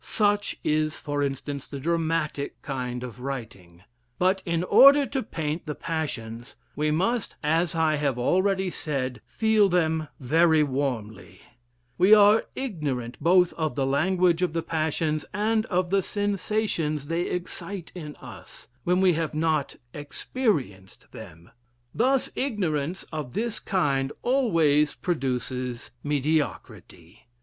Such is, for instance, the dramatic kind of writing: but, in order to paint the passions, we must, as I have already said, feel them very warmly: we are ignorant both of the language of the passions and of the sensations they excite in us, when we have not experienced them. Thus ignorance of this kind always produces mediocrity.